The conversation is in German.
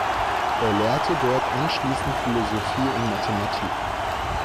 Er lehrte dort anschließend Philosophie und Mathematik.